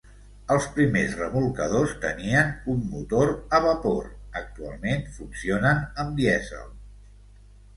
Els primers remolcadors tenien un motor a vapor; actualment funcionen amb dièsel.